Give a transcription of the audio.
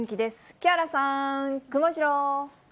木原さん、くもジロー。